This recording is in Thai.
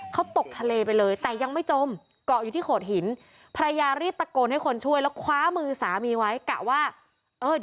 เขาตกทะเลไปเลย